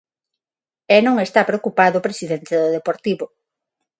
E non está preocupado o presidente do Deportivo.